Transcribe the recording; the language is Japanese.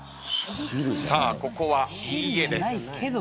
さあここは「いいえ」です。